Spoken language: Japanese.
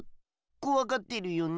こわがってるよね。